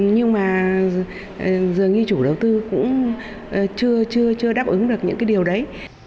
nhưng mà dường như chủ đầu tư cũng chưa đáp ứng được những cái điều đấy